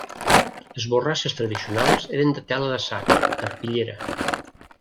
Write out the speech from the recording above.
Les borrasses tradicionals eren de tela de sac, d'arpillera.